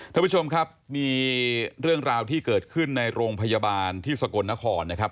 ท่านผู้ชมครับมีเรื่องราวที่เกิดขึ้นในโรงพยาบาลที่สกลนครนะครับ